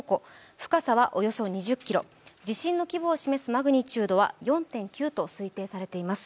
深さはおよそ２０ｋｍ、地震の規模を示すマグニチュードは４．９と推定されています。